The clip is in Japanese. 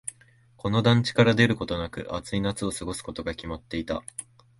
この団地から出ることなく、暑い夏を過ごすことが決まっていた。